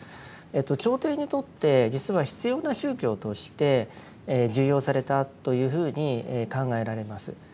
朝廷にとって実は必要な宗教として受容されたというふうに考えられます。